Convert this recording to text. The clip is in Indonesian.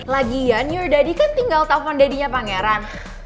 lagian your daddy kan tinggal telfon dadinya pangeran